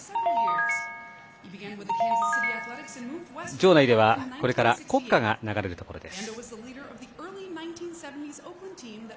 場内ではこれから国歌が流れるところです。